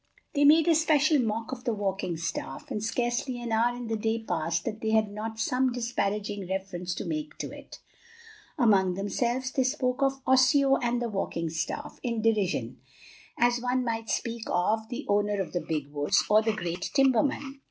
They made a special mock of the walking staff, and scarcely an hour in the day passed that they had not some disparaging reference to make to it. Among themselves they spoke of "Osseo of the walking staff," in derision, as one might speak of "the owner of the big woods," or "the great timberman."